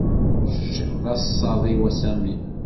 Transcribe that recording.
Kečč d asaḍ-iw, a Sami.